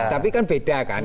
tapi kan beda kan